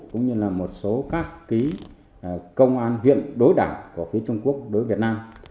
cũng như là một số các công an huyện đối đảng của phía trung quốc đối với việt nam